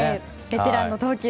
ベテランの投球。